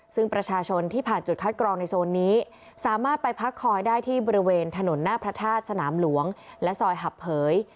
ซึ่งประชาชนที่ผ่านจุดคัดกรองในโซนนี้สามารถไปพักคอยได้ที่บริเวณถนนหน้าพระธาตุสนามหลวงและซอยหับเผย